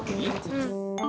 うん。